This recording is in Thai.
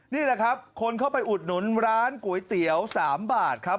นี่แหละครับคนเข้าไปอุดหนุนร้านก๋วยเตี๋ยว๓บาทครับ